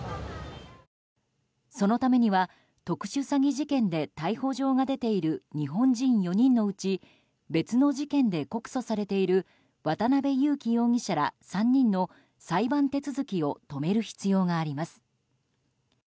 そのためには特殊詐欺事件で逮捕状が出ている日本人４人のうち別の事件で告訴されている渡邉優樹容疑者ら３人の裁判手続きを止める必要があります。